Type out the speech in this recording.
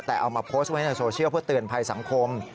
แต่เอามาโพสต์ไว้ในโซเชียลเพื่อเตือนภัยสังคม